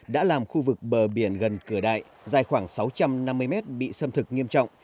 đã làm khu vực bờ biển gần cửa đại dài khoảng sáu trăm năm mươi mét bị xâm thực nghiêm trọng